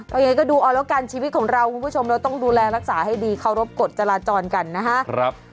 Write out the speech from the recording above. ตอนนี้ก็ดูออนรับการชีวิตของเราคุณผู้ชมแล้วต้องดูแลรักษาให้ดีเขารบกฎจราจรกันนะฮะ